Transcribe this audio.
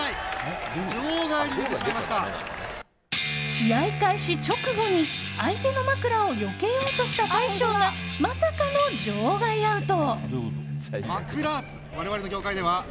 試合開始直後に相手のまくらをよけようとした大将がまさかの場外アウト。